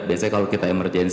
biasanya kalau kita emergency